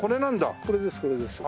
これですこれです。